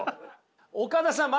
岡田さん